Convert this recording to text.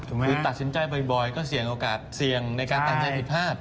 คือตัดสินใจบ่อยก็เสี่ยงโอกาสเสี่ยงในการตัดสินใจผิดพลาด